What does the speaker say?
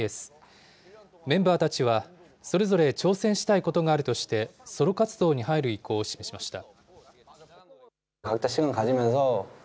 メンバーたちはそれぞれ挑戦したいことがあるとして、ソロ活動に入る意向を示しました。